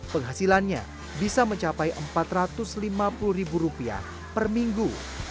penghasilannya bisa mencapai rp empat ratus lima puluh ribu rupiah per minggu